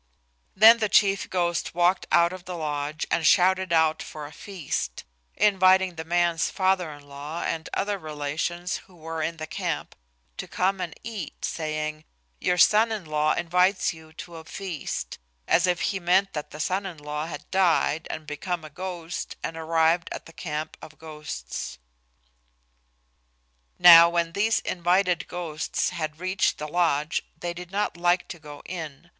Then the chief ghost walked out of the lodge and shouted out for a feast, inviting the man's father in law and other relations who were in the camp to come and eat, saying, "Your son in law invites you to a feast," as if he meant that the son in law had died and become a ghost and arrived at the camp of the ghosts. Now when these invited ghosts had reached the lodge they did not like to go in.